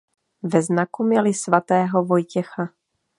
Ve znaku měly svatého Vojtěcha.